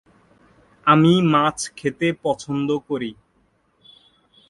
এই এগিয়ে যাওয়ার পেছনে সবচেয়ে গুরুত্বপূর্ণ ভূমিকা হলাে বিজ্ঞানের।